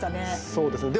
そうですね。